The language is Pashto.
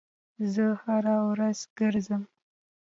زه هره ورځ ګرځم